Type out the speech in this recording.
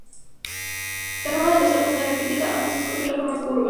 La forma de los arcos no era crítica, aunque se escogió la forma curva.